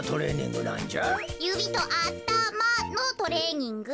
ゆびとあたまのトレーニング。